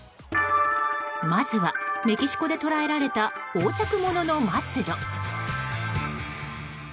まずはメキシコで捉えられた横着者の末路。